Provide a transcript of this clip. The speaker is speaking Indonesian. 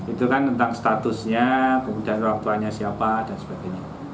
itu kan tentang statusnya kemudian waktuannya siapa dan sebagainya